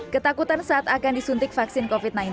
ketakutan saat akan disuntik vaksin covid sembilan belas